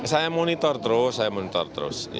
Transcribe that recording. saya monitor terus saya monitor terus